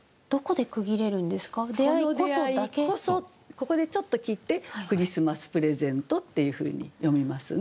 ここでちょっと切って「クリスマスプレゼント」っていうふうに読みますね。